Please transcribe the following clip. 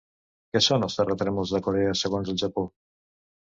Què són els terratrèmols de Corea segons el Japó?